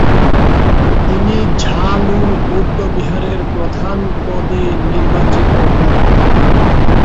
তিনি ঝ্বা-লু বৌদ্ধবিহারের প্রধান পদে নির্বাচিত হন।